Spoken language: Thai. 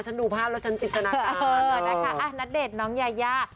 ดูภาพแล้วฉันจินตนาการเออนะคะณเดชน์น้องยายา